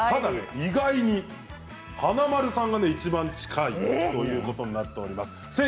意外に華丸さんが近いということになっています。